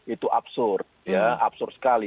itu absurd ya absur sekali